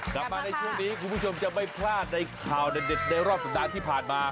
กลับมาในช่วงนี้คุณผู้ชมจะไม่พลาดในข่าวเด็ดในรอบสัปดาห์ที่ผ่านมา